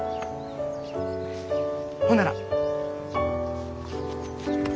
ほんなら。